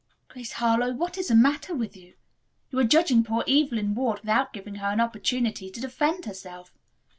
"Grace Harlowe, what is the matter with you? You are judging poor Evelyn Ward without giving her an opportunity to defend herself.